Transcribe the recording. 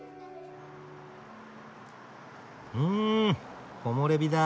うん木漏れ日だ。